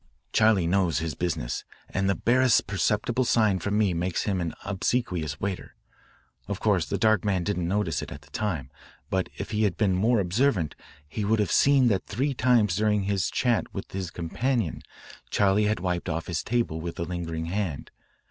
"Charley knows his business, and the barest perceptible sign from me makes him an obsequious waiter. Of course the dark man didn't notice it at the time, but if he had been more observant he would have seen that three times during his chat with his companion Charley had wiped off his table with lingering hand.